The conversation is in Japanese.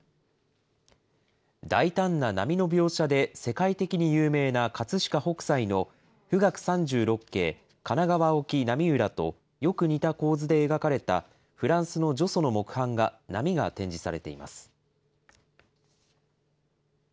大胆な波の描写で世界的に有名な葛飾北斎の冨嶽三十六景神奈川沖浪裏と、よく似た構図で描かれたフランスのジョソの木版画、波が展示されています。